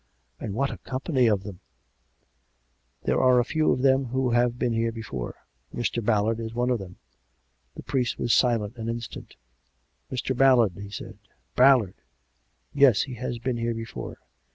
" And what a company of them !" 152 COME RACK! COME ROPE! " There are a few of them who have been here before. Mr. Ballard is one of them." The priest was silent an instant. " Mr. Ballard/' he said. " Ballard ! Yes ; he has been here before.